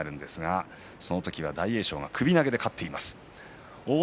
その時は大栄翔、首投げで勝っています。